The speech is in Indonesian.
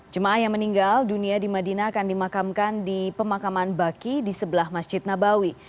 jemaah yang meninggal dunia di madinah akan dimakamkan di pemakaman baki di sebelah masjid nabawi